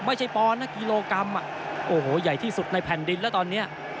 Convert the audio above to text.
ไม่ใช่ปอนนะกิโลกรัมอ่ะโอ้โหใหญ่ที่สุดในแผ่นดินแล้วตอนเนี้ย